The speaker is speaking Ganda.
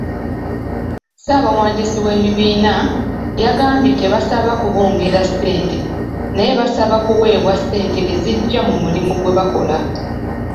Ssaabawandiisi w'ekibiina, yagambye tebasaba kubongera ssente naye basaba kuweebwa ssente ezigya mu mulimu gwebakola.